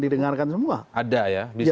didengarkan semua ada ya